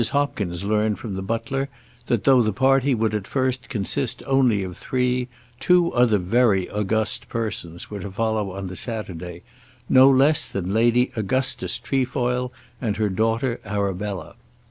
Hopkins learned from the butler that though the party would at first consist only of three, two other very august persons were to follow on the Saturday, no less than Lady Augustus Trefoil and her daughter Arabella.